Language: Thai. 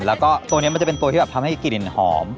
แล้วก็ตัวนี้มันจะเป็นตัวที่แบบทำให้กลิ่นหอม